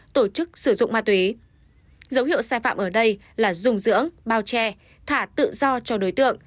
tổ chức sử dụng ma túy dấu hiệu sai phạm ở đây là dùng dưỡng bao che thả tự do cho đối tượng